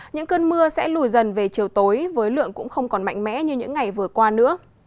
những cơn mưa sẽ lùi dần về chiều tối với lượng cũng không còn mạnh mẽ như những ngày vừa qua nữa